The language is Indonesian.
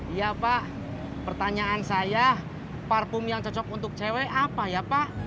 iya pak pertanyaan saya parfum yang cocok untuk cewek apa ya pak